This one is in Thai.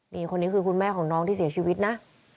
นี่คนนี้คือคุณแม่ของน้องที่เสียชีวิตนะ